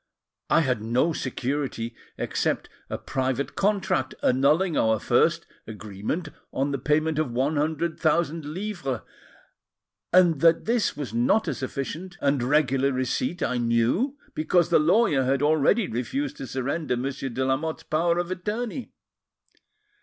I had no security except a private contract annulling our first agreement on the payment of one hundred thousand livres, and that this was not a sufficient and regular receipt I knew, because the lawyer had already refused to surrender Monsieur de Lamotte's power of attorney.